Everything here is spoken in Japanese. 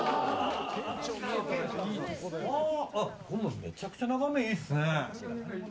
めちゃくちゃ眺め、いいですね。